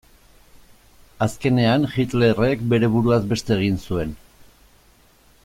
Azkenean Hitlerrek bere buruaz beste egin zuen.